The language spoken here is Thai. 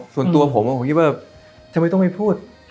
ส่วนตัวผมผมคิดว่าทำไมต้องไม่พูด